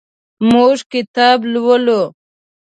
موږ کتاب لولو.